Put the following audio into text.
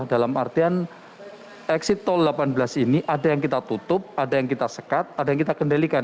dan exit tol delapan belas ini ada yang kita tutup ada yang kita sekat ada yang kita kendalikan